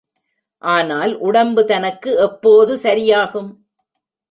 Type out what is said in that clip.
ஆனால் உடம்பு தனக்கு எப்போது சரியாகும்?